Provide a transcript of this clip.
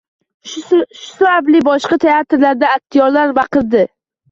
Shu sabab boshqa teatrlarda aktyorlar baqiradi.